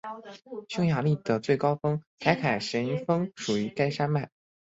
匈牙利的最高峰凯凯什峰属于该山脉。